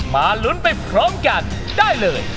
มาลุ้นไปพร้อมกันได้เลย